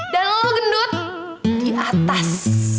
dan lo gendut di atas